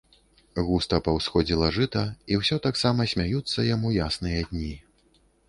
Густа паўсходзіла жыта, і ўсё таксама смяюцца яму ясныя дні.